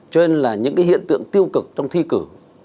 cho nên là những cái hiện tượng tiêu cực trong thi cử